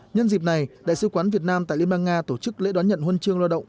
nhân dịp này đại sứ quán việt nam tại liên bang nga tổ chức lễ đón nhận huân chương lao động